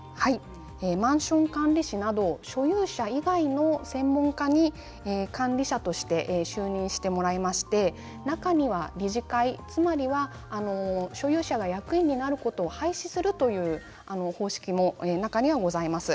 マンション管理士など所有者以外の専門家に管理者として就任してもらいまして中には、理事会は所有者が役員になることを廃止するという方式も中ではございます。